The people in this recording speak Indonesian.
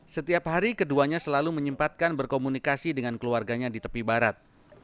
setiap hari keduanya selalu menyempatkan berkomunikasi dengan keluarganya di tepi barat